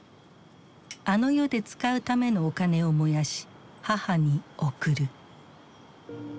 あの世で使うためのお金を燃やし母に送る。